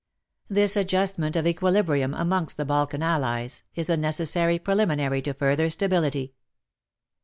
This adjustment of equilibrium amongst the Balkan Allies, is a necessary preliminary to further stability.